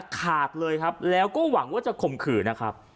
ขาดเลยครับแล้วก็หวังว่าจะข่มขืนนะครับ